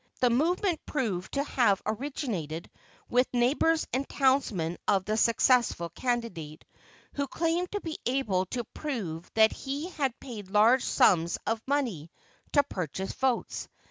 The movement proved to have originated with neighbors and townsmen of the successful candidate, who claimed to be able to prove that he had paid large sums of money to purchase votes.